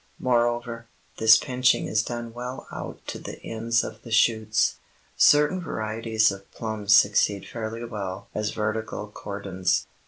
Moreover, this pinching is done well out to the ends of the shoots. Certain varieties of plums succeed fairly well as vertical cordons.